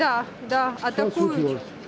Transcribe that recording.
da da atakuyut